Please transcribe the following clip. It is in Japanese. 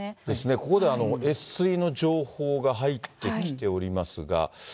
ここで越水の情報が入ってきておりますが。